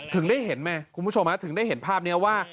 ถึงได้เห็นไหมคุณผู้ชมถึงได้เห็นภาพนี้ว่า